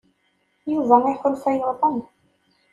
Yuba iḥulfa yuḍen.